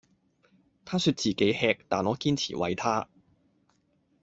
她說自己吃，但我堅持餵她